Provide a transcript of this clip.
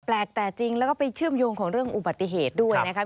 แปลกแต่จริงแล้วก็ไปเชื่อมโยงของเรื่องอุบัติเหตุด้วยนะครับ